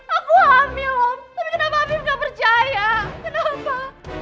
aku hamil om tapi kenapa afif nggak percaya kenapa